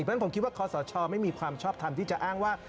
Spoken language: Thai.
เพราะฉะนั้นผมคิดว่าคอสชไม่มีความชอบทำที่จะอ้างว่า